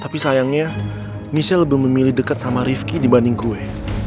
tapi sayangnya michelle lebih memilih dekat sama rifki dibanding gue